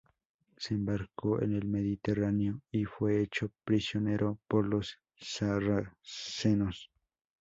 Se embarcó en el Mediterráneo y fue hecho prisionero por los sarracenos.